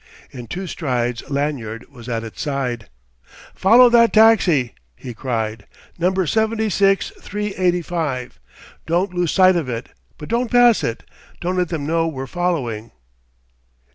In two strides Lanyard was at its side. "Follow that taxi!" he cried "number seventy six, three eighty five. Don't lose sight of it, but don't pass it don't let them know we're following!"